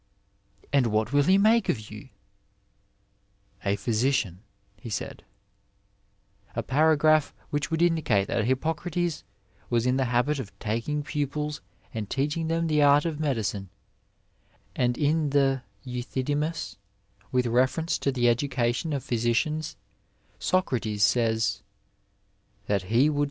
" And what will he make of you?" "A physician," he said* — a paragraph which would indicate that Hippocrates was in the habit of taking pupils and teaching them the art of medicine ; and in the Euthydemua, with reference to the education of physicians, Socrates sajB, ^Hhat he would ^ Dialogues, L 11 13.